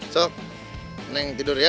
sup neng tidur ya